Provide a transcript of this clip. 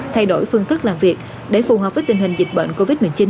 thay đổi phương thức làm việc để phù hợp với tình hình dịch bệnh covid một mươi chín